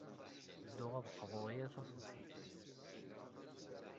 Ttedduɣ ad d-qḍuɣ yal taṣebḥit.